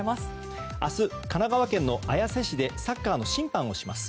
明日、神奈川県の綾瀬市でサッカーの審判をします。